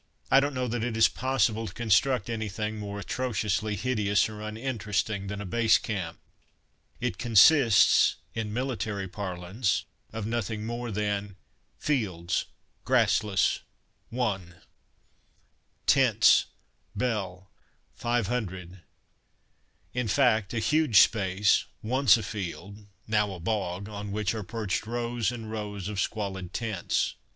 I don't know that it is possible to construct anything more atrociously hideous or uninteresting than a Base Camp. It consists, in military parlance, of nothing more than: Fields, grassless 1 Tents, bell 500 In fact, a huge space, once a field, now a bog, on which are perched rows and rows of squalid tents.